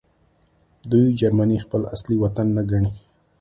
دوی جرمني خپل اصلي وطن نه ګڼي